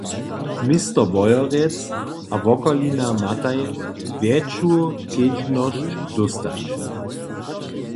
Město Wojerecy a wokolina matej wjetšu kedźbnosć dóstać.